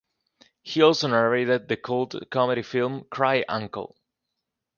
He also narrated the cult comedy film Cry Uncle!